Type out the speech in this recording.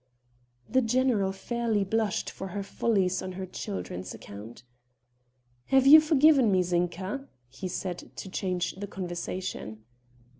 The general fairly blushed for her follies on her children's account. "Have you forgiven me, Zinka?" he said to change the conversation.